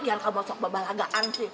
lagi bener kamu masuk ke babah lagaan sih